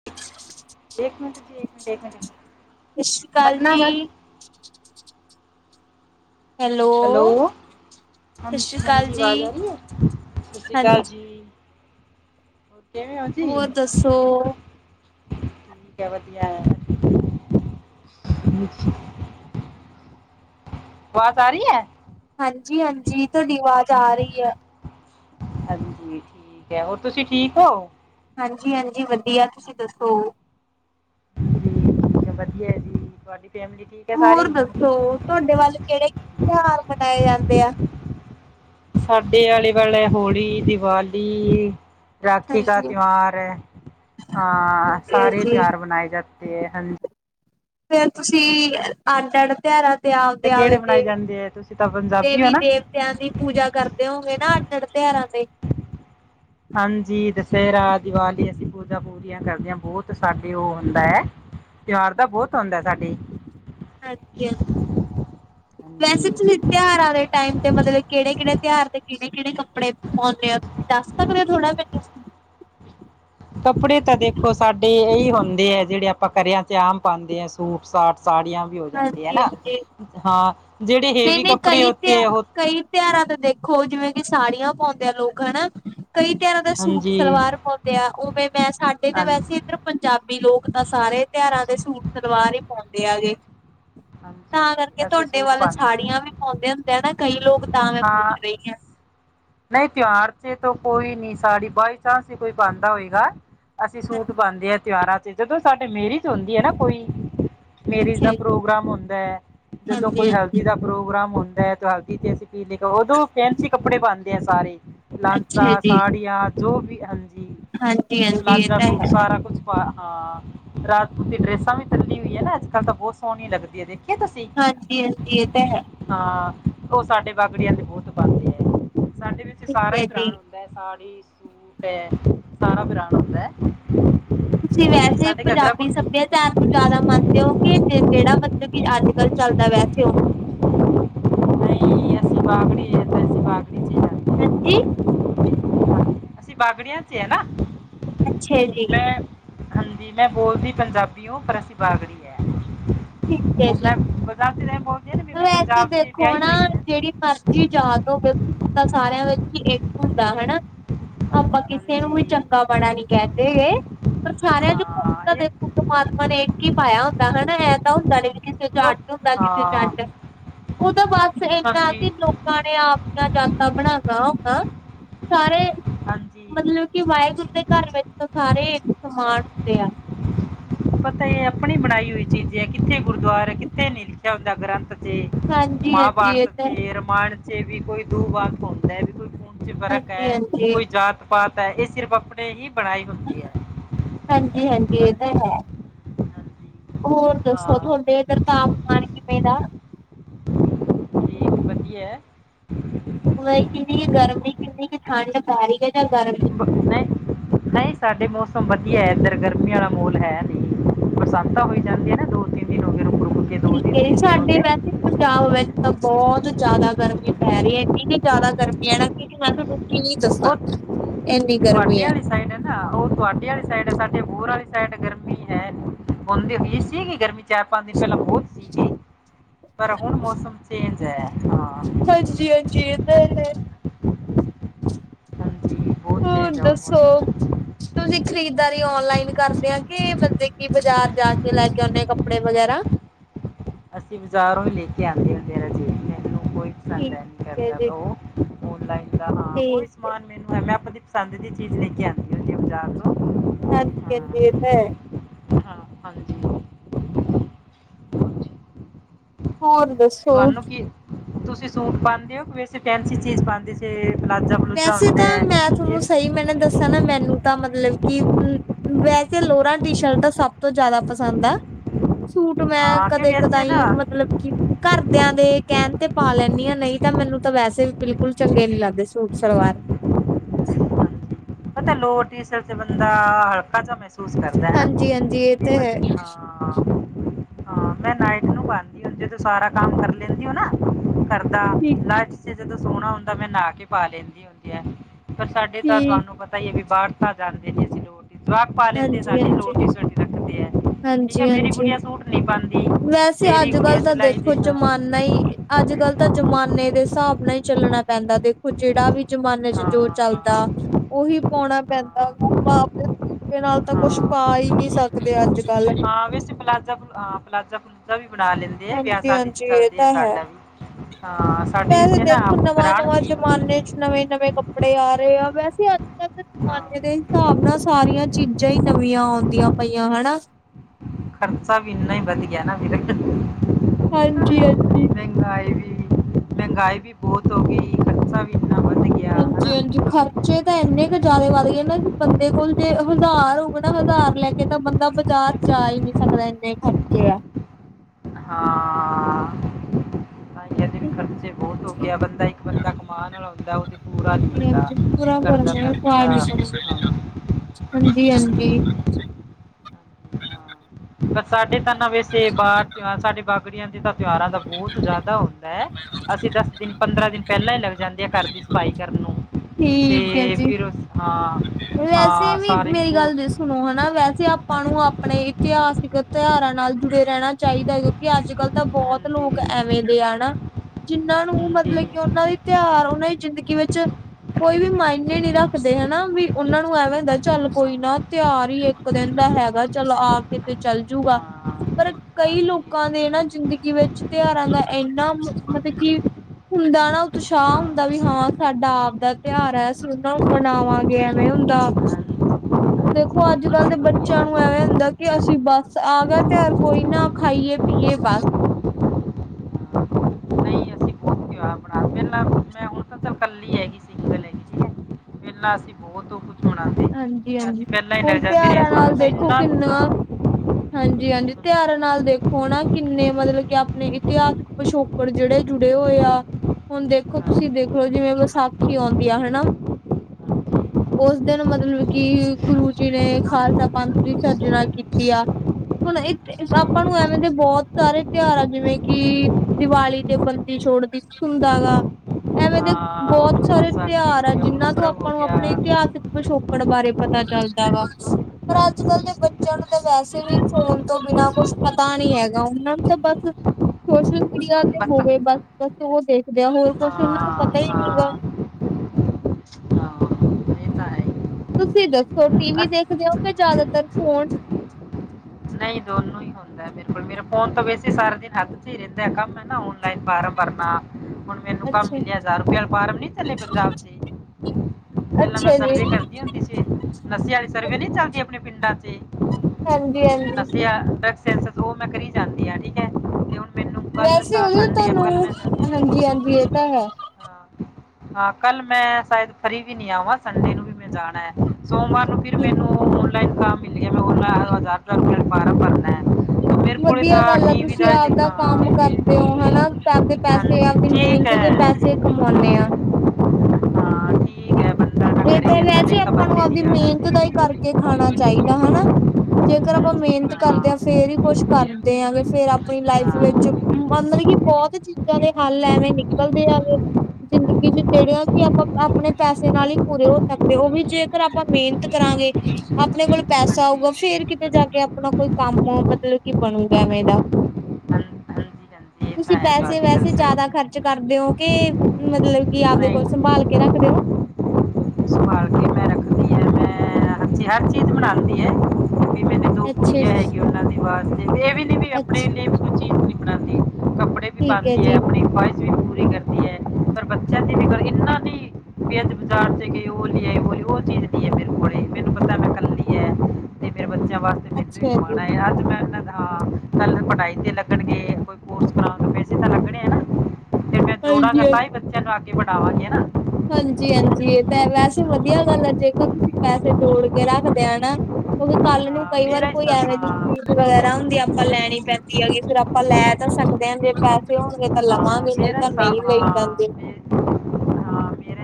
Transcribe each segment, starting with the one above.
[unintelligible] ਇੱਕ ਮਿੰਟ ਜੀ ਇੱਕ ਮਿੰਟ ਮਿੰਟ ਸਤਿ ਸ਼੍ਰੀ ਅਕਾਲ ਪਟਨਾ ਬਸ ਜੀ, ਹੈਲੋ? ਸਤਿ ਸ਼੍ਰੀ ਹ ਅਕਾਲ ਹਾਂਜੀ ਆਵਾਜ਼ ਜੀ, ਆ ਰਹੀ ਹੈ? ਸਤਿ ਸ਼੍ਰੀ ਹਾਂਜੀ ਅਕਾਲ ਜੀ। ਹੋਰ ਕਿਵੇਂ ਔ ਜੀ? ਹੋਰ ਦੱਸੋ? ਠੀਕ ਹੈ ਵਧੀਆ ਹੈ। ਆਵਾਜ਼ ਆ ਰਹੀ ਹੈ? ਹਾਂਜੀ -ਹਾਂਜੀ, ਤੁਹਾਡੀ ਆਵਾਜ਼ ਆ ਰਹੀ ਆ। ਹਾਂਜੀ, ਠੀਕ ਹੈ ਹੋਰ ਤੁਸੀਂ ਠੀਕ ਹੋ? ਹਾਂਜੀ- ਹਾਂਜੀ ਵਦੀਆ, ਤੁਸੀਂ ਦੱਸੋ ਜੀ ਠੀਕ ਹੈ, ਵਦੀਆ ਐ ਜੀ ਤੁਹਾਡੀ ਫੈਮਿਲੀ ਠੀਕ ਹੈ ਹੋਰ ਸਾਰੀ ਦੱਸੋ, ਤੁਹਾਡੇ ਵੱਲ ਕਿਹੜੇ ਤਿਉਹਾਰ ਮਨਾਏ ਜਾਂਦੇ ਆ ਸਾਡੇ ਆਲੇ ਵਲ ਹੋਲੀ ਦੀਵਾਲੀ ਰਾਖੀ ਕਾ ਹਾਂਜੀ। ਤਿਉਹਾਰ ਹਾਂ ਠੀਕ ਹੈ ਸਾਰੇ ਜੀ, ਤਿਉਹਾਰ ਮਨਾਏ ਜਾਂਦੇ ਐ ਹਾਂਜੀ ਫੇਰ ਤੁਸੀਂ ਅਡ-ਅਡ ਤਿਉਹਾਰਾਂ ਆਵਦੇ ਆਵਦੇ ਦੇਵੀ ਦੇਵੀ ਦੇਵ ਤਿਆਂ ਦੀ ਪੂਜਾ ਕਰਦੇ ਹੋਗੇ ਨਾ ਅੱਡ-ਅੱਡ ਤਿਉਹਾਰਾਂ ਤੇ ਹਾਂਜੀ, ਦੁਸਹਿਰਾ ਦੀਵਾਲੀ ਅਸੀਂ ਪੂਜਾ ਪੂਰੀਆਂ ਕਰਦੇ ਆ ਬਹੁਤ ਸਾਡੇ ਉਹ ਹੁੰਦਾ ਐ ਤਿਉਹਾਰ ਦਾ ਬਹੁਤ ਹੁੰਦਾ ਹੈ ਸਾਡੇ ਹਾੰਜੀ ਜੀ ਹਾਂਜੀ ਵੈਸੇ ਹਾਂਜੀ ਤੁਸੀਂ ਤਿਉਹਾਰਾਂ ਦੇ ਟਾਈਮ ਤੇ ਮਤਲਬ ਕਿਹੜੇ -ਕਿਹੜੇ ਤਿਉਹਾਰ ਤੇ ਕਿਹੜੇ- ਕਿਹੜੇ ਕੱਪੜੇ ਪਾਉਂਦੇ ਓ ਦੱਸ ਸਕਦੇ ਹੋ ਥੋੜ੍ਹਾ ਫਿਰ ਕੱਪੜੇ ਤਾਂ ਦੇਖੋ ਸਾਡੇ ਇਹੀ ਹੁੰਦੇ ਆ ਜਿਹੜੇ ਆਪਾਂ ਘਰਿਆਂ ਚ ਆਮ ਪਾਉਂਦੇ ਆ ਸੂਟ ਸਾਟ ਸਾੜੀਆਂ ਵੀ ਹੋ ਜਾਂਦੀ ਐ ਹਾਂਜੀ ਨਾ, ਹਾਂਜੀ ਹਾਂ ਜਿਹੜੇ ਨਹੀਂ ਏਵੀ ਨਹੀਂ ਕੱਪੜੇ ਕਈ ਤੇ ਉੱਥੇ ਉਹ ਕਈ ਤਿਉਹਾਰਾਂ ਤੇ ਦੇਖੋ ਜਿਵੇਂ ਕਿ ਸਾੜੀਆਂ ਪਾਉਂਦੇ ਆ ਲੋਕ ਹੈਨਾ ਕਈ ਤਿਆਰਾ ਦੇ ਸੂਟ ਹਾਂਜੀ ਸਲਵਾਰ ਪਾਉਂਦੇ ਆ ਉਵੇਂ ਮੈਂ ਸਾਡੇ ਤਾਂ ਹਾਂਜੀ ਵੈਸੇ ਇੱਧਰ ਪੰਜਾਬੀ ਲੋਕ ਤਾਂ ਸਾਰੇ ਤਿਆਰਾਂ ਦੇ ਸੂਟ ਸਲਵਾਰ ਹੀ ਪਾਉਂਦੇ ਆਗੇੇ ਹਾਂਜੀ ਤਾਂ ਕਰਕੇ ਅਸੀਂ ਤੁਹਾਡੇ ਸੂਟ ਵਾਲਾ ਚ ਪਾਉਂਦੇ ਹਾਂ ਸਾੜੀਆਂ ਵੀ ਪਾਉਂਦੇ ਹੁੰਦੇ ਆ ਨਾ ਕਈ ਲੋਕ ਤਾਂ ਮੈਂ ਪੁੱਛ ਹਾਂ ਰਹੀ ਆ ਨਹੀਂ ਤੇਯੋਹਾਰ ਚ ਤਾਂ ਕੋਈ ਨੀ ਸਾੜੀ ਬਾਈ ਚਾਂਸ ਹੀ ਕੋਈ ਪਾੰਦਾ ਹੋਏਗਾ ਅਸੀਂ ਸੂਟ ਹਾਂਜੀ ਪਾੰਦੇ ਆ ਤੇਉਹਾਰਾਂ ਚ, ਜਦੋਂ ਸਾਡੇ ਮੇਰੀਜ ਹੂੰਦੀ ਹੈ ਨਾ ਕੋਈ ਮੇਰਿਜ ਅੱਛਾ ਦਾ ਜੀ ਪ੍ਰੋਗਰਾਮ ਹੁੰਦਾ ਐ ਜਦੋਂ ਹਾਂਜੀ ਕੋਈ ਹਾਂਜੀ ਹਲਦੀ ਦਾ ਪ੍ਰੋਗਰਾਮ ਹੁੰਦਾ ਐ ਤੇ ਹਲਦੀ ਤੇ ਅਸੀਂ ਦੇਖੋ ਉਦੋਂ ਫੈਸੀ ਕੱਪੜੇ ਪਾੰਦੇ ਆ ਸਾਰੇ, ਅੱਛਾ ਲਾੰਚਾ, ਜੀ ਸਾੜੀਆਂ, ਜੋ ਵੀ ਹਾਂਜੀ ਹਾਂਜੀ ਹਾਂਜੀ ਇਹ ਪਲਾਜਾ ਤਾਂ ਹੈ ਸੂਟ ਸਾਰਾ ਕੁਛ ਹਾਂ ਰਾਜਪੂਤੀ ਡਰੈਸਾਂ ਵੀ ਚੱਲੀ ਹੋਈ ਏ ਨਾ, ਅੱਜ ਕਲ੍ਹ ਤਾਂ ਬਹੁਤ ਸੋਹਣੀ ਲੱਗਦੀ ਏ ਦੇਖ ਹਾਂਜੀ -ਹਾਂਜੀ ਇਹ ਤਾਂ ਹੈ! ਹਾਂ ਉਹ ਸਾਡੇ ਬਾਗੜੀਆਂ ਦੇ ਬਹੁਤ ਬਣਦੇ ਏ ਸਾਡੇ ਵਿੱਚ ਠੀਕ ਸਾਰਾ ਹੀ ਹੈ ਜੀ ਬਰਾਨ ਹੁੰਦਾ ਹੈ, ਸਾੜੀ ਸੂਟ ਸਾਰਾ ਬਰਾਨ ਹੁੰਦਾ ਐ ਤੁਸੀਂ ਵੈਸੇ ਪੰਜਾਬੀ ਕੁੜਤੀ ਸੱਭਿਆਚਾਰ ਜ਼ਿਆਦਾ ਮੰਨਦੇ ਔ ਕਿ ਜੇਹੜਾ ਮਤਲਬ ਕਿ ਅੱਜ ਕੱਲ ਚੱਲਦਾ ਵੈਸੇ ਔ [unintelligible] ਏ ਕੀ ਅਸੀਂ ਬਾਗੜਿਆਂ ਚ ਐ ਨਾ ਅੱਛਾ ਜੀ ਮੈਂ ਹਾਂਜੀ ਮੈਂ ਬੋਲਦੀ ਪੰਜਾਬੀ ਹੂੰ ਪਰ ਅਸੀਂ ਬਾਗੜੀ ਐ ਠੀਕ ਹੈ ਉਹ ਜੀ ਮੈਂ ਬ ਬੋਲਦੀ ਨਾ ਵੀ ਮੈਂ ਵੈਸੇ ਪੰਜਾਬ ਚ ਦੇਖੋ ਵਿਆਹੀ ਨਾ ਹੋਈ ਹੈ ਜਿਹੜੀ ਮਰਜ਼ੀ ਜਾਤ ਹੋਵੇ ਖੂਨ ਤਾਂ ਸਾਰਿਆਂ ਵਿੱਚ ਹੀ ਇੱਕ ਹੁੰਦਾ ਹੈਨਾ ਆਪਾਂ ਕਿਸੇ ਨੂੰ ਵੀ ਹਾਂਜੀ ਚੰਗਾ ਮਾੜਾ ਨੀ ਕਹਿੰਦੇ ਪਰ ਸਾਰਿਆਂ ਚ ਖੂਨ ਹਾਂ ਤਾ ਇਹ ਦੇਖੋ ਪਰਮਾਤਮਾ ਨੇ ਇੱਕ ਹੀ ਪਾਇਆ ਹੁੰਦਾ ਹੈਨਾ, ਇਹ ਤਾਂ ਹੁੰਦਾ ਨੀ ਕਿਸੇ ਚ ਬਹੁਤ ਅੱਟ ਹੁੰਦਾ ਕਿਸੇ ਚ ਹਾਂ ਜੱਟ ਉਹਦਾ ਬਸ ਇੰਨਾ ਹਾਂਜੀ ਕਿ ਲੋਕ ਸਾਰੇ ਆਪ ਦੀਆਂ ਜਾਤਾਂ ਬਨਾਨਾ ਹੁੰਦਾ ਸਾਰੇ ਹਾਂਜੀ ਮਤਲਬ ਕਿ ਵਾਹਿਗੁਰੂ ਦੇ ਘਰ ਵਿੱਚ ਤਾਂ ਸਾਰੇ ਸਮਾਨ ਹੁੰਦੇ ਆ ਪਤਾ ਇਹ ਆਪਣੀ ਬਣਾਈ ਹੋਈ ਚੀਜੇ ਹੈ, ਕਿੱਥੇ ਗੁਰਦੁਆਰਾ ਕਿੱਥੇ ਨੀ ਲਿਖਿਆ ਹੁੰਦਾ ਗ੍ਰੰਥ ਹਾਂਜੀ ਹਾਂਜੀ ਮਹਾਭਾਰਤ ਇਹ ਤਾਂ ਹੈ ਚ ਰਮਾਇਣ ਚ ਵੀ ਕੋਈ ਦੋ ਵਗ ਹੁੰਦਾ ਵੀ ਕੋਈ ਫਰਕ ਹਾਂਜੀ ਹੈ ਹਾਂਜੀ ਕੋਈ ਜਾਤ ਪਾਤ ਏ, ਇਹ ਸਿਰਫ ਆਪਣੇ ਹੀ ਬਣਾਈ ਹੁੰਦੀ ਹੈ। ਹਾਂਜੀ, ਹਾਂਜੀ ਏ ਤਾਂ ਹੈ ਹਾਂਜੀ ਹੋਰ ਦੱਸੋ ਹਾਂ ਤੋਡੇ ਇੱਧਰ ਤਾਪਮਾਨ ਕਿਵੇਂ ਦਾ? ਠੀਕ ਵਧੀਆ ਕਿੰਨੀ ਕੁ ਗਰਮੀ ਕਿੰਨੀ ਕ ਠੰਡ ਪੈ ਰੀ ਏ ਯਾ ਗਰਮੀ ਕੁ ਨੇੇ [unintelligible] ਨਈ ਸਾਡੇ ਮੌਸਮ ਵਧੀਆ ਇੱਧਰ ਗਰਮੀਆਂ ਵਾਲਾ ਮੋਲ ਹੈ ਨੀ ਬਰਸਾਤਾਂ ਹੋਈ ਜਾਂਦੀਆਂ ਨਾ ਦੋ ਤਿੰਨ ਦਿਨ ਹੋਗੇ ਰੁਕ ਰੁਕ ਕੇ ਦੋ ਠੀਕ ਦਿਨ ਏ ਤਿੰਨ ਦਿਨ ਸਾਡੇ ਹੁੰਦੇ ਵੈਸੇ ਪੰਜਾਬ ਵਿੱਚ ਤਾਂ ਬੋਹਤ ਜ਼ਾਦਾ ਗਰਮੀ ਪੈ ਰੀ ਏ, ਇੰਨੀ ਜ਼ਾਦਾ ਗਰਮੀ ਹੈ ਨਾ ਕਿ ਮੈਂ ਤੁਹਾਨੂੰ ਕੀ ਦਸਾ ਉਹ ਏਨੀ ਗਰਮੀ ਤੁਹਾਡੇ ਏ ਵਾਲੀ ਸਾਈਡ ਹੈ ਨਾ ਓ ਤੁਆਡੈ ਆਲੀ ਸਾਈਡ ਸਾਡੇ ਬੋਰ ਵਾਲੀ ਸਾਈਡ ਗਰਮੀ ਹੈ ਨਹੀ ਹੋਂਦੀ ਸੀਗੀ ਗਰਮੀ- ਚਾਰ ਪੰਜ ਦਿਨ ਪਹਿਲਾਂ ਬੋਤ ਸੀਗੀ, ਪਰ ਹੁੂੰਨ ਮੌਸਮ ਚੇਂਜ ਹੈ ਹਾਂ ਹਾਂਜੀ, ਹਾਂਜੀ ਏ ਤਾਂ ਹੈ ਹਾਂਜੀ ਬਹੁਤ ਹੋਰ ਚੇਂਜ ਹੈ ਹੁਣ ਦੱਸੋ? ਮੌਸਮ ਤੁਸੀਂ ਖਰੀਦ ਦਾਰੀ ਓਨਲਾਈਨ ਕਰਦੇ ਆ ਕਿ, ਬੰਦੇ ਕੀ ਬਾਜ਼ਾਰ ਜਾ ਕੇ ਲੈ ਕੇ ਆਨੈ ਆ ਕੱਪੜੇ ਵਗੈਰਾ। ਅਸੀਂ ਬਜ਼ਾਰੋਂ ਹੀ ਲੈ ਕੇ ਆਂਦੇ ਹ ਤੇੇਰਾ ਜੇ ਮੈਨੂੰ ਕੋਈ ਪਸੰਦ ਠੀਕ ਐ ਨੀ ਹੈ ਜੀ ਕਰਦਾ ਓ ਓਨਲਾਈਨ ਦਾ ਹਾਂ ਕੋਈ ਠੀਕ ਹੈ ਸਮਾਨ ਮੈਨੂੰ ਮੈਂ ਆਪਨੀ ਪਸੰਦ ਦੀ ਚੀਜ਼ ਲੈ ਕੇ ਆਂਦੀ ਹੂਨੀ ਆ ਬਾਜ਼ਾਰ ਤੋਂ। ਹਾਂ [unintelligible] ਹਾਂ ਹਾਂਜੀ ਹੋਰ ਦੱਸੋ ਤੁਆਨੂੰ ਕੀ ਤੁਸੀਂ ਸੂਟ ਪਾਂਦੇ ਓ ਵੈਸੇ ਫੈਂਸੀ ਚੀਜ਼ ਪਾਂਦੇ ਜੈ ਪਲਾਜ਼ੋ ਹੂੰਦਾ ਤੁੂ ਸਈ ਮੈੇਨੇ ਦੱਸਿਆ ਨਾ ਮੈਨੂੰ ਤਾਂ ਮਤਲਬ ਕਿ ਵੈਸੇ ਲੋਰਾਂ ਟੀ ਸ਼ਲਟਾ ਸਭ ਤੋਂ ਜ਼ਾਦਾ ਪਸੰਦ ਆ। ਸੂਟ ਮੈਂ ਹਾਂ ਕਦੇ ਕਿਉਂਕਿ ਇਸੇ ਨਾ ਕਦਾਈ ਮਤਲਬ ਕਰਦੈਆਂ ਦੇ ਕਹਿਨ ਤੇ ਪਾ ਲੈਂਨੀ ਆਂ, ਨਈ ਤਾਂ ਮੈਨੂੰ ਤਾਂ ਵੈਸੇ ਵੀ ਬਿਲਕੁਲ ਚੰਗੇ ਨੀ ਲੱਗਦੇ ਸੂਟ। ਸ਼ੁਰਵਾਤ [unintelligible] ਹਾਂਜੀ ਪਤਾ ਲੋਵਰ ਟੀਸ਼ਰਟ ਤੇ ਬੰਦਾ ਹਲਕਾ ਜਾ ਮੈਹਸੂਸ ਕਰਦਾ ਹਨਾ ਹਾਂਜੀ ਹਾਂਜੀ ਇਹ ਤੇ ਹੈ। ਵਧੀਆ ਹਾਂ ਹਾਂ ਹਾਂ ਮੈਂ ਨਾਈਟ ਨੂੰ ਪਾ਼ਦੀ ਹੂਨੀ ਜਦੋਂ ਸਾਰਾ ਕੰਮ ਕਰ ਲੈਂਦੀ ਹੂੰ ਨਾ ਤਾਂ ਠੀਕ ਜਦੋਂ ਸੋਹਣਾ ਹੁੰਦਾ ਮੈਂ ਨਾਹਾ ਕੇ ਪਾ ਲੈਂਦੀ ਹੁੰਦੀ ਆ। ਪਰ ਸਾਡੇ ਤਾਂ ਠੀਕ। ਤੁਆਨੂੰ ਪਤਾ ਹੀ ਏ ਵੀ ਬਾਹਰ ਤਾਂ ਜਾਂਦੇ ਨੇ ਅਸੀਂ ਲੋੜ ਦੁਆਕ ਪਾ ਲੈਂਦੇ ਹਾਂਜੀ ਸਾਡੀ ਲੋੜ ਹਾਂਜੀ [inaudible] ਹਾਂਜੀ, ਹਾਂਜੀ ਨਹੀਂ ਪਾਉਂਦੀ ਵੈਸੇ ਮੇਰੀ ਅੱਜ ਗੁੜੀਆ ਕੱਲ ਤਾਂ ਸਿਲਾਈ ਦੇਖੋ ਦੇ ਹਾਂ ਜ਼ਮਾਨਾ ਈ ਅੱਜ ਕੱਲ੍ਹ ਤਾਂ ਜ਼ਮਾਨੇ ਦੇ ਹਿਸਾਬ ਨਾ ਈ ਚੱਲਨਾ ਪੈਂਦਾ ਦੇਖੋ ਜੇਹੜਾ ਵੀ ਜ਼ਮਾਨੇ ਚ ਹਾਂ ਜੋ ਚੱਲ ਤਾ ਉਹੀ ਪੋਨਾ ਪੈਂਦਾ ਆਪ ਤਰੀਕੇ ਨਾਲ ਤਾਂ ਕੁੱਛ ਹਾਂ ਪਾ ਈ ਨਈ ਸਕਦੇ ਅੱਜ ਕੱਲ। ਹਾਂ ਵੈਸੇ ਪਲਾਜ਼ਾ ਹਾਂ ਪਲਾਜ਼ਾ ਪਲੂਜ਼ਾ ਵੀ ਬਨਾ ਲੈਂਦੇ ਵਿਆ ਹਾਂਜੀ ਸ਼ਾਦੀ ਹਾਂਜੀ ਚ ਇਹ ਚੱਲਦੇ ਆ ਤਾਂ ਹੈ ਸਾਡਾ ਵੀ ਅਹ ਸਾਡੇ ਵੈਸੇ ਵੀਸੇ ਨਾ ਦੇਖੋ ਨਵਾਂ ਪ੍ਰਰਾਨ ਨਵਾਂ ਜ਼ਮਾਨੇ ਚ ਨਵੇਂ ਨਵੇਂ ਕੱਪੜੇ ਆ ਰੇ ਆ ਵੈਸੇ ਅੱਜ ਕੱਲ ਦੇ ਹਾਂ ਜ਼ਮਾਨੇ ਦੇ ਹਿਸਾਬ ਨਾਲ ਸਾਰੀਆਂ ਚੀਜ਼ਾਂ ਈ ਨਵੀਆਂ ਆਂਦੀਆਂ ਪਈਆਂ ਹਨਾ। ਖਰਚਾ ਵੀ ਇੰਨਾ ਹੀ ਵੱਧ ਗਿਆ ਨਾ ਹਾਂਜੀ-ਹਾਂਜੀ। ਮਹੰਗਾਈ ਵੀ ਮਹੰਗਾਈ ਵੀ ਬੋਤ ਹੋ ਗਈ ਖਰਚਾ ਵੀ ਇੰਨਾ ਵੱਧ ਗਿਆ। ਹਾਂਜੀ, ਹਨਾ ਹਾਂਜੀ ਖਰਚੇ ਤਾਂ ਇੰਨੇ ਕ ਜ਼ਾਦਾ ਵੱਧ ਗਏ ਨਾ ਬੰਦੇ ਕੋਲ ਜੇ ਹਜ਼ਾਰ ਹੋਵੇ ਨਾ ਹਜ਼ਾਰ ਲੈ ਕੇ ਏ ਤਾਂ ਬੰਦਾ ਬਜ਼ਾਰ ਜਾ ਈ ਨੀ ਸਕਦਾ ਏਨੇ ਖਰਚੇ ਆ। ਹਾਂ ਤਾਂ ਇਹ ਕਹਿੰਦੇ ਵੀ ਖਰਚੇ ਬੋਤ ਹੋ ਗੇ ਆ, ਬੰਦਾ ਇੱਕ ਬੰਦਾ ਕਮਾਣ ਆਲਾ ਹੁੰਦਾ ਓ ਤੇ ਪੂਰਾ ਨੀ ਹੁੰਦਾ। ਹਾਂਜੀ-ਹਾਂਜੀ ਪੂਰਾ ਕਰਦਾ ਪੈ [unintelligible] ਹਾਂਜੀ- ਹਾਂਜੀ। ਹਾਂ। ਪਰ ਸਾਡੇ ਤਾਂ ਨਾ ਵੈਸੇ ਬਾਰ ਤਿਉਆਰ ਸਾਡੇ ਬਾਗੜੀਆਂ ਦੇ ਤਾਂ, ਤਿਉਆਰਾਂ ਦਾ ਬੋਤ ਜ਼ਾਦਾ ਹੁੰਦਾ। ਅਸੀਂ ਦਸ ਦਿਨ- ਪੰਦਰਾਂ ਦਿਨ ਪੈਲਾਂ ਈ ਲੱਗ ਜਾਂਦੇ ਆ ਘਰ ਦੀ ਸਫ਼ਾਈ ਕਰਨ ਨੂੰ। ਤੇ ਠੀਕ ਹੈ ਜੀ। ਫਿਰ ਉਸ ਹਾਂ ਵੈਸੇ ਹਾਂ ਵੀ ਸਾਰੇ ਮੇਰੀ ਗੱਲ ਭੂਤ ਦੱਸ ਸੁਣੋ ਹਨਾ, ਵੈਸੇ ਆਪਾਂ ਨੂੰ ਆਪਣੇ ਇਤਿਹਾਸਿਕ ਤਿਆਰਾਂ ਨਾਲ ਜੁੜੇ ਰੈਣਾ ਚਾਈਦਾ। ਵੀ ਅੱਜ ਕੱਲ ਤਾਂ ਬੋਤ ਹਾਂਜੀ ਲੋਕ ਐਵੇਂ ਦੇ ਆ ਨਾ। ਜਿੰਨਾਂ ਨੂੰ ਹਾਂਜੀ ਮਤਲਬ ਕੀ ਓਨਾਂ ਦੀ ਤਿਆਰ ਓਨਾਂ ਦੀ ਜ਼ਿੰਦਗੀ ਵਿੱਚ ਕੋਈ ਵੀ ਮਾਇਨੇ ਨੀ ਰੱਖਦੇ ਹਨਾ ਵੀ। ਓਨਾਂ ਨੂੰ ਐਵੇਂ ਹੁੰਦਾ ਹਾਂ ਚੱਲ ਕੋਈ ਨਾ ਤਿਆਰ ਈ ਇੱਕ ਦਿਨ ਦਾ ਹੈਗਾ, ਚੱਲ ਆ ਕੇ ਤੇ ਚੱਲ ਜੂਗਾ। ਹਾਂ ਪਰ ਕਈ ਹਾਂਜੀ ਲੋਕਾਂ ਦੇ ਨਾ ਜ਼ਿੰਦਗੀ ਵਿੱਚ ਤਿਆਰਾਂ ਦਾ ਏਨਾ ਮਤਬ ਕੀ ਹੁੰਦਾ ਨਾ ਉਤਸ਼ਾਹ ਹਾਂ ਹੁੰਦਾ ਵੀ ਹਾਂ ਸਾਡਾ ਆਪ ਦਾ ਤਿਆਰ ਹੈ, ਅਸੀਂ ਓਨਾਂ ਨੂੰ ਮਨਾਵਾਂਗੇ। ਮੈਂ ਹੁੰਦਾ ਹਾਂਜੀ ਬਹੁਤ ਵਧੀਆ ਗੱਲ ਦੇਖੋ ਅੱਜ ਕੱਲ ਦੇ ਬੱਚਿਆਂ ਹੈ ਨੂੰ ਐਵੇਂ ਹੁੰਦਾ, ਕਿ ਅਸੀਂ ਬਸ ਆ ਗਿਆ ਤੇਆਰ ਕੋਈ ਨਾ ਖਾਈਏ। ਪੀ ਏ ਬਸ। ਨਹੀਂ ਅਸੀਂ [unintelligible] ਮੇਲਾ ਸੀ। ਬੋਤ ਧੁੱਪ ਕੁਛ ਹੋਣਾ ਸੀ। ਹਾਂਜੀ - ਹਾਂਜੀ ਹੁਣ ਤੇਆਰਾਂ ਨਾਲ ਨੂੰ ਤਾਂ ਦੇਖੋ ਇੰਨਾ ਕਿੰਨਾ ਹਾਂਜੀ ਹਾਂਜੀ - ਹਾਂਜੀ ਤਿਆਰਾਂ ਨਾਲ ਦੇਖੋ ਨਾ ਕਿੰਨੇ ਮਤਲਬ ਕਿ ਆਪਣੇ ਇਤਿਹਾਸ ਪਛੋਕੜ ਜੜੇ ਜੁੜੇ ਓਏ ਆ। ਹੁਣ ਦੇਖੋ ਤੁਸੀਂ ਦੇਖ ਲੋ ਜਿਵੇਂ ਵਿਸਾਖੀ ਆਉਂਦੀ ਆ ਹਨਾ। ਹਾਂਜੀ ਓਸ ਦਿਨ ਮਤਲਬ ਕੀ ਗੁਰੂ ਜੀ ਨੇ ਖਾਲਸਾ ਪੰਥ ਦੀ ਸਰਜਨਾ ਕੀਤੀ ਆ। ਹੁਣ ਏਥੇ ਆਪਾਂ ਨੂੰ ਐਵੇਂ ਦੇ ਬੋਤ ਸਾਰੇ ਤੇਆਰ ਆ, ਜਿਵੇਂ ਕੀ ਦੀਵਾਲੀ ਤੇ ਬੰਦੀ ਛੋੜ ਦਿਵ ਹਾਂਜੀ ਸੁੁੰਦਾ ਗਾ। ਐਵੇਂ ਦੇ ਬੋਤ ਸਾਰੇ ਤੇਆਰ ਆ ਜਿਨਾਂ ਤੋਂ ਆਪਾਂ ਨੂੰ ਆਪਣੇ ਇਤਿਹਾਸਕ ਪਛੋਕ ਪੜ ਬਾਰੇ ਪਤਾ ਚੱਲਦਾ ਵਾ ਪਰ ਅੱਜ ਕੱਲ ਦੇ ਬੱਚਿਆਂ ਨੂੰ ਤੇ ਵੈਸੇ ਤੇ ਵੀ ਫੋਨ ਤੋਂ ਬਿਨਾਂ ਕੁਛ ਪਤਾ ਨੀ ਹੈਗਾ। ਓਨਾਂ ਨੂੰ ਤੇ ਬਸ ਸੋਸ਼ਲ ਮੀਡੀਆ ਤੇ ਬੱਚਾ ਹੋਵੇ ਬਸ, ਬਸ ਓ ਦੇਖਦੇ ਆ ਹੋਰ ਕੁਛ ਓਨਾਂ ਨੂੰ ਹਾਂ ਪਤਾ ਹਾਂ ਨੀ ਗਾ। ਹਾਂ, ਇਹ ਤਾਂ ਹੈ ਹੀ। ਤੁਸੀਂ ਦੱਸੋ ਟੀ ਵੀ ਦੇਖਦੇ ਓ ਕਿ ਜਾਦਾਤਰ ਫੋਨ। ਨਈ ਦੋਨੋ ਈ ਹੁੰਦਾ। ਮੇਰੇ ਕੋਲ ਮੇਰਾ ਫੋਨ ਤੇ ਵੇਸੇ ਸਾਰਾ ਦਿਨ ਹੱਥ 'ਚ ਈ ਰੈਂਦਾ, ਕੰਮ ਐ ਨਾ ਅੋਨਲਾਈਨ ਫਾਰਮ ਭਰਨਾ। ਹੁਣ ਮੈਨੂੰ ਕੰਮ ਅੱਛਾ ਮਿਲਿਆ ਹਜ਼ਾਰ ਰਪਿਆ ਆਲੇ ਫਾਰਮ ਨੀ ਚੱਲੇ ਪੰਜਾਬ 'ਚ ਈ। ਪੈਲਾਂ ਮੈਂ ਅੱਛਾ ਜੀ ਸਰਵੇ ਕਰ ਹੁੰਦੀ ਸੀ, ਨਸ਼ੇ ਆਲੀ ਸਰਵੇ ਨੀ ਚੱਲਦੀ ਆਪਣੇ ਪਿੰਡਾਂ 'ਚ। ਹਾਂਜੀ ਹਾਂਜੀ ਨਸ਼ਿਆ ਬਸ ਓ ਮੈਂ ਕਰੀ ਜਾਂਦੀ ਐ, ਠੀਕ ਹੈ ਤੇ ਹੁਣ ਮੈਨੂੰ ਕੱਲ ਵੈਸੇ ਤਾਂ ਓਈ ਓ ਸੰਡੇ ਤਾਨੂੰ, ਕੱਲ ਮੈਂ ਜਾਂਦੀ ਹਾਂਜੀ - ਹਾਂਜੀ ਏ ਤਾਂ ਹੈ। ਹਾਂ। ਹਾਂ ਕੱਲ ਮੈਂ ਸ਼ਾਇਦ ਫ੍ਰੀ ਵੀ ਨੀ ਆਵਾਂ, ਸੰਡੇ ਨੂੰ ਵੀ ਮੈਂ ਜਾਣਾ ਐ। ਸੋਮਵਾਰ ਨੂੰ ਹਰ ਔਨਲਾਈਨ ਕਾਮ ਮਿਲ ਗੇ। ਮੈਂ ਓ ਹਜ਼ਾਰ - ਹਜ਼ਾਰ ਰੁਪਏ ਆਲੇ ਫਾਰਮ ਭਰਨਾ। ਤਾਂ ਮੇਰੇ ਕੋਲੇ ਵਧੀਆ ਤਾਂ ਗੱਲ ਆ ਟੀਵੀ ਤੁਸੀਂ ਦਾ ਹੀ ਆਪਦਾ ਦੇਖਾਂ ਕੰਮ ਕਰਦੇ ਓ। ਹਨਾ ਆਪਦੇ ਪੈਸੇ, ਹਾਂਜੀ ਆਪਦੀ ਠੀਕ ਮੇਨਤ ਹੈ ਦੇ ਪੈਸੇ ਕਮਾਉਂਦੇ ਆ ਹਾਂ ਠੀਕ ਹੈ ਬੰਦਾ ਨਾ ਇਹ ਕਰੇ ਤਾਂ ਰਹਿੰਦਾ ਵੈਸੇ ਨਹੀਂ ਤਾਂ ਆਪਾਂ ਨੂੰ ਬੰਦੇ ਦੀ ਆਪਦੀ ਯਾਦ ਮਿਹਨਤ ਆਉਂਦੀ ਹੈ। ਦਾ ਹੀ ਕਰਕੇ ਖਾਣਾ ਚਾਹੀਦਾ ਹਨਾ ਜੇਕਰ ਆਪਾਂ ਮਿਹਨਤ ਕਰਦੇ ਹਾਂ ਫਿਰ ਹੀ ਕੁਛ ਕਰਦੇ ਹਾਂ ਫਿਰ ਆਪਣੀ ਲਾਈਫ ਹਾਂ ਵਿੱਚ ਹਾਂਜੀ ਮਤਲਬ ਕਿ ਬਹੁਤ ਚੀਜ਼ਾਂ ਦੇ ਹੱਲ ਐਵੇਂ ਨਿਕਲਦੇ ਐਵੇਂ ਜ਼ਿੰਦਗੀ ਚ ਜਿਹੜੀਆਂ ਕਿ ਹਾਂਜੀ ਆਪਾਂ ਆਪਣੇ ਪੈਸੇ ਨਾਲ ਹੀ ਪੂਰੇ ਹੋ ਜਾਂਦੇ ਉਹ ਵੀ ਜੇਕਰ ਆਪਾਂ ਮਿਹਨਤ ਕਰਾਂਗੇ ਆਪਣੇ ਕੋਲ ਪੈਸਾ ਆਊਗਾ ਫਿਰ ਕਿਤੇ ਜਾ ਕੇ ਆਪਣਾ ਕੋਈ ਕੰਮ ਮਤਲਬ ਕਿ ਬਣੂਗਾ ਐਵੇਂ ਦਾ ਹਾਂ- ਹਾਂਜੀ ਹਾਂਜੀ ਇਹ ਤੁਸੀਂ ਤਾਂ ਹੈ ਪੈਸੇ ਤੁਹਾਡੀ ਗੱਲ ਵੈਸੇ ਸਹੀ ਜ਼ਿਆਦਾ ਖ਼ਰਚ ਹੈ ਕਰਦੇ ਹੋ ਕੇ ਮਤਲਬ ਕਿ ਆਪਦੇ ਕੋਲ ਨਹੀਂ ਸੰਭਾਲ ਕੇ ਰੱਖਦੇ ਓ ਹਾਂਜੀ ਹਰ ਚੀਜ਼ ਬਣਾਉਦੀ ਹੈ। ਅੱਛਾ। ਇਹਨਾਂ ਦੇ ਆਵਾਜ਼ ਨੇ ਇਹ ਵੀ ਨੀ ਆਪਣੇ ਅੱਛਾ ਇੰਨੇ ਵੀ ਠੀਕ ਪਾਉਂਦੀ ਹੈ ਜੀ, ਆਪਣੀ ਖ [inaudible] ਪਰ ਬੱਚਿਆਂ ਦੀ ਫਿਕਰ ਇੰਨਾ ਦੀ ਵੀ ਅੱਜ ਬਾਜ਼ਾਰ ਚ ਗਏ ਉਹ ਲੈ ਉਹ ਚੀਜ਼ ਨਹੀਂ ਹੈ ਮੇਰੇ ਕੋਲ ਮੈਨੂੰ ਪਤਾ ਵੇ ਕੱਲੀ ਹੈ। ਤੇ ਮੇਰੇ ਬੱਚਿਆਂ ਵਾਸਤੇ ਮੈਨੂੰ ਅੱਛਾ ਖਮਾਉਣਾ ਜੀ। ਹੈ ਅੱਜ ਮੈਂ ਹਾਂ ਕੱਲ ਪੜ੍ਹਾਈ ਤੇ ਲੱਗਣਗੇ ਅਸੀਂ ਤਾਂ ਲੱਗਣੇ ਹਨਾ ਫਿਰ ਮੈਂ ਜੋੜਾਂ ਹਾਂਜੀ, ਕਰਤ ਹੀ ਬੱਚਿਆਂ ਨੂੰ ਅੱਗੇ ਪੜਾਵਾਂਗੇ ਨਾ ਹਾਂਜੀ ਹਾਂਜੀ ਵੈਸੇ ਵਧੀਆ ਤੇ ਗੱਲ ਆ ਜੇਕਰ ਤੁਸੀਂ ਪੈਸੇ ਜੋੜ ਕੇ ਰੱਖਦੇ ਆ ਨਾ ਕਿਉਂਕਿ ਕੱਲ ਨੂੰ ਹਾਂ ਕਈ ਵਾਰ ਮੇਰਾ ਕੋਈ ਹਿਸਾਬ ਐਵੇਂ ਦੀ ਹਾਂ ਸਪੀਡ ਵੈ [unintelligible] ਆਪਾਂ ਲੈਣੀ ਪੈਂਦੀ ਹੈਗੀ ਫਿਰ ਆਪਾਂ ਲੈ ਤਾਂ ਸਕਦੇ ਹਾਂ ਜੇ ਪੈਸੇ ਹੋਣਗੇ ਤਾਂ ਹਾਂ ਲਵਾਂਗੇ ਨਹੀਂ ਮੇਰਾ ਤਾਂ ਹਿਸਾਬ ਨਹੀਂ ਲਈ ਹਾਂ ਜਾਂਦੀ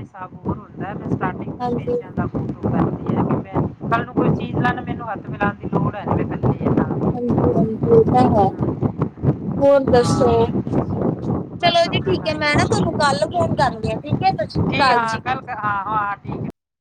ਸਾਬਣ ਹੁੰਦਾ ਫਿਰ ਸਟਾਰਟਿੰਗ ਤੋਂ ਹਾਂਜੀ ਪੈਸਿਆਂ ਦਾ ਫੋਲੋ ਕਰਦੀ ਆ ਕਿ ਮੈਂ ਕੱਲ ਨੂੰ ਕੋਈ ਚੀਜ਼ ਲਾ ਮੈਨੂੰ ਹੱਥ ਮਿਲਾਉਣ ਦੀ ਲੋੜ ਹੈ। [unintelligible] ਹਾਂਜੀ ਹਾਂਜੀ ਇਹ ਤਾਂ ਹੈ ਹੋਰ ਦੱਸੋ ਹਾਂ ਚਲੋ ਬਸ ਜੀ ਆਪਣਾ ਠੀਕ ਹੈ ਟਾਈਮ ਮੈਂ ਨਾ ਤੁਹਾਨੂੰ ਕੱਲ ਫੋਨ ਕਰਦੀ ਆ ਠੀਕ ਹੈ ਤ ਕੀ ਹਾਂ ਕੱਲ ਹਾਂ ਹਾਂ ਠੀਕ